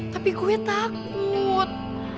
tapi gue takut